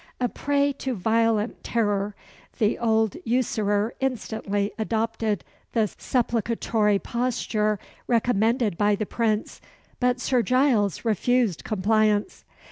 A prey to violent terror, the old usurer instantly adopted the supplicatory posture recommended by the Prince; but Sir Giles refused compliance.